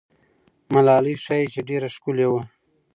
ملالۍ ښایي چې ډېره ښکلې وه.